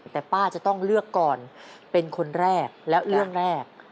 แต่ป้าจะต้องเลือกก่อนเป็นคนแรกและเรื่องแรก